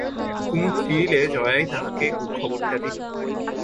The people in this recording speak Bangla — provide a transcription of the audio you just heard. কুমুদ ফিরিলে জয়াই তাহাকে খবরটা দিল।